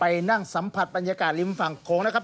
นั่งสัมผัสบรรยากาศริมฝั่งโขงนะครับ